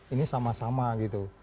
ini sama sama gitu